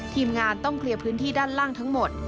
ทีมงานต้องเคลียร์พื้นที่ด้านล่างทั้งหมด